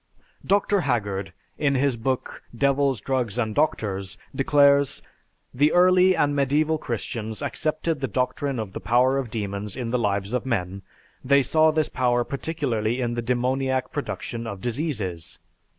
Dr. Haggard in his book, "Devils, Drugs, and Doctors," declares, "The early and Medieval Christians accepted the doctrine of the power of demons in the lives of men; they saw this power particularly in the demoniac production of diseases.